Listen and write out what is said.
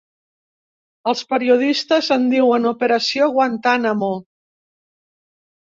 Els periodistes en diuen operació Guantánamo.